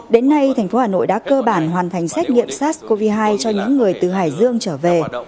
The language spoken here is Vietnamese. đến nay thành phố hà nội đã cơ bản hoàn thành xét nghiệm sars cov hai cho những người từ hải dương trở về